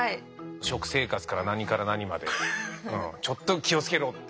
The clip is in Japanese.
食生活から何から何までちょっと気をつけろって。